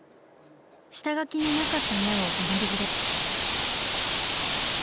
下描きになかった目をアドリブで。